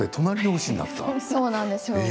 そうなんですよ